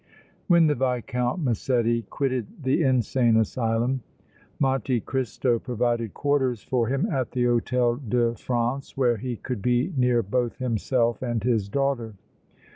When the Viscount Massetti quitted the insane asylum, Monte Cristo provided quarters for him at the Hôtel de France where he could be near both himself and his daughter.